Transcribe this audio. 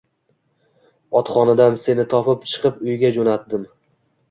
Otxonadan seni topib chiqib uyga jo‘nadim.